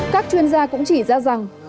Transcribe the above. các chuyên gia cũng chỉ ra rằng